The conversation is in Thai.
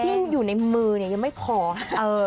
ยังยังอยู่ในมือยังไม่พอเออ